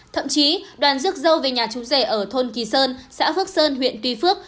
thậm chí đoàn rước dâu về nhà chú rể ở thôn kỳ sơn xã phước sơn huyện tuy phước